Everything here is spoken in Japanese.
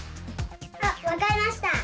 あわかりました！